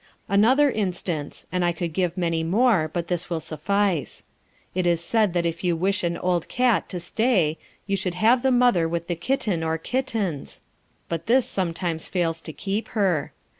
Another instance, and I could give many more, but this will suffice. It is said that if you wish an old cat to stay you should have the mother with the kitten or kittens, but this sometimes fails to keep her.